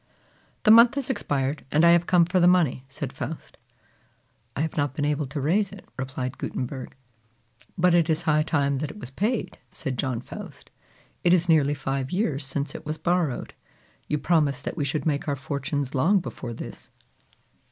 "The month has expired, and I have come for the money!" said Faust. "I have not been able to raise it," replied Gutenberg. "But it is high time that it was paid," said John Faust. "It is nearly five years since it was borrowed. You promised that we should make our fortunes long before this."